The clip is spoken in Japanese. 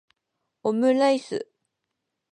omuraisu